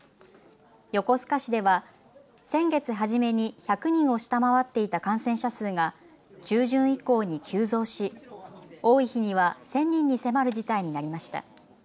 横須賀市では先月初めに１００人を下回っていた感染者数が中旬以降に急増し多い日には１０００人に迫る事態になりました。